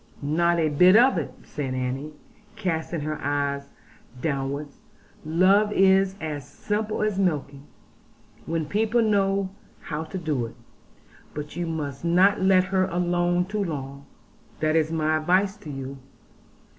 '' 'Not a bit of it,' said Annie, casting her bright eyes downwards: 'love is as simple as milking, when people know how to do it. But you must not let her alone too long; that is my advice to you.